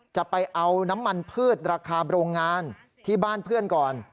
จะเอาน้ำมันพืชราคาโรงงานที่บ้านเพื่อนก่อน